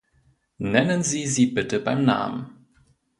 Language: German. Nennen Sie sie bitte beim Namen.